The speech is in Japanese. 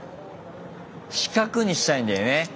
四角にしたいんだよね。